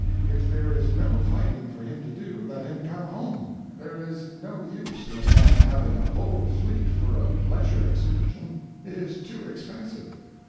If there is no fighting for him to do, let him come home. There is no use in a man having a whole fleet for a pleasure excursion. It is too expensive.